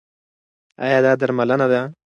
ایا دا درملنه ده؟